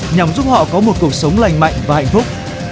nhằm giúp họ có một cuộc sống lành mạnh và hạnh phúc